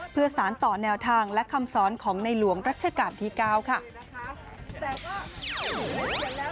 เพื่อสารต่อแนวทางและคำสอนของในหลวงรัชกาลที่๙ค่ะ